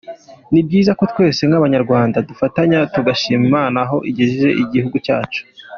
Ni byiza ko twese nk’Abanyarwanda dufatanya tugashima Imana aho igejeje igihugu cyacu.